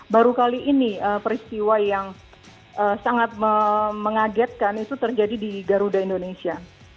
baru kali ini peristiwa yang sangat mengagetkan itu terjadi di garuda indonesia